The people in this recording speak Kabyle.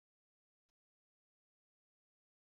Layla tella taqeḥbit m-zuxx.